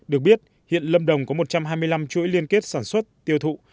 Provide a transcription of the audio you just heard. được biết hiện lâm đồng có một trăm hai mươi năm chuỗi liên kết sản xuất tiêu thụ